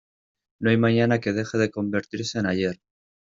No hay mañana que deje de convertirse en ayer.